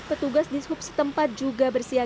petugas di skup setempat juga bersiagat